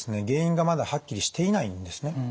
原因がまだはっきりしていないんですね。